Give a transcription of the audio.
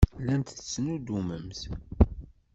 Llant ttnuddument.